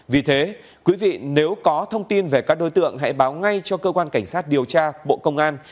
vì thế quý vị nếu có thông tin về các đối tượng hãy báo ngay cho cơ quan cảnh sát điều tra bộ công an